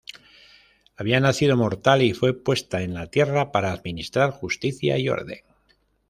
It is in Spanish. Había nacido mortal y fue puesta en la tierra para administrar justicia y orden.